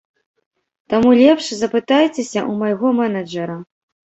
Таму лепш запытайцеся ў майго менеджэра.